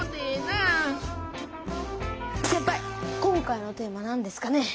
今回のテーマはなんですかね。